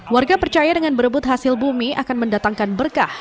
warga percaya dengan berebut hasil bumi akan mendatangkan berkah